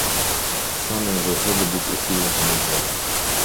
Сам ён заўсёды быў прыхільнікам удзелу.